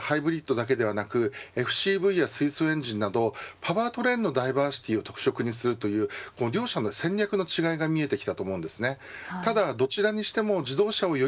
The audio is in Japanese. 一方トヨタはＥＶやハイブリッドだけではなくＦＣＶや水素エンジンなどパワートレインのダイバーシティを特色にするという両社の戦略の違いが見えてきたと思います。